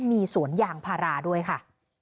มีสวนยางพาราด้วยค่ะ